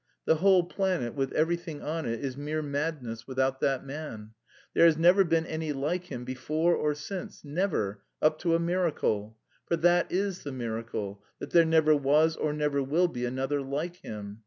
The whole planet, with everything on it, is mere madness without that Man. There has never been any like Him before or since, never, up to a miracle. For that is the miracle, that there never was or never will be another like Him.